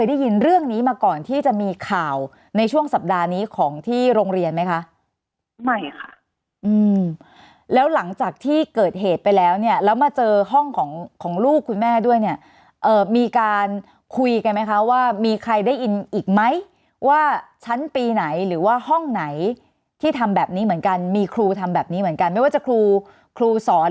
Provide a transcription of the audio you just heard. ได้ยินเรื่องนี้มาก่อนที่จะมีข่าวในช่วงสัปดาห์นี้ของที่โรงเรียนไหมคะไม่ค่ะอืมแล้วหลังจากที่เกิดเหตุไปแล้วเนี่ยแล้วมาเจอห้องของของลูกคุณแม่ด้วยเนี่ยเอ่อมีการคุยกันไหมคะว่ามีใครได้ยินอีกไหมว่าชั้นปีไหนหรือว่าห้องไหนที่ทำแบบนี้เหมือนกันมีครูทำแบบนี้เหมือนกันไม่ว่าจะครูครูสอน